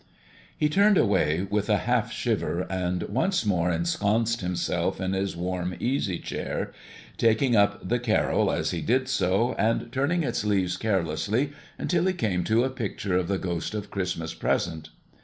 He turned away with a half shiver and once more ensconced himself in his warm easy chair, taking up the Carol as he did so, and turning its leaves carelessly until he came to a picture of the Ghost of Christmas Present.